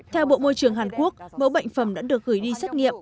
theo bộ môi trường hàn quốc mẫu bệnh phẩm đã được gửi đi xét nghiệm